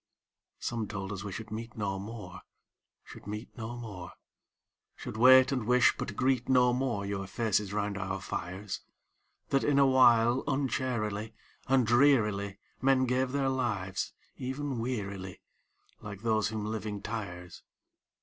III Some told us we should meet no more, Should meet no more; Should wait, and wish, but greet no more Your faces round our fires; That, in a while, uncharily And drearily Men gave their lives—even wearily, Like those whom living tires.